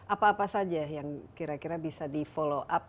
apa apa saja yang kira kira bisa di follow up